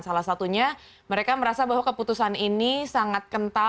salah satunya mereka merasa bahwa keputusan ini sangat kental